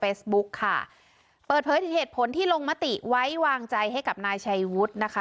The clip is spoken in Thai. โพสต์เฟสบุ๊คค่ะเปิดเผยที่เหตุผลที่ลงมติไว้วางใจให้กับนายชัยวุทธ์นะคะ